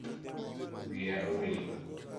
Wiya owil go